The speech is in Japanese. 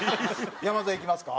山添いきますか？